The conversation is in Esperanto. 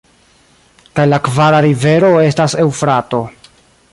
Kaj la kvara rivero estas Eŭfrato.